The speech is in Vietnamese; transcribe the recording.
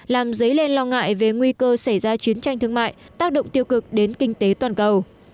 làm dấy lên lo ngại về nguy cơ xảy ra chiến tranh thương mại tác động tiêu cực đến kinh tế toàn cầu